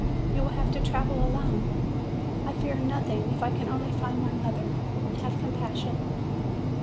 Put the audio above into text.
"You will have to travel alone." "I fear nothing, if I can only find my mother. Have compassion!"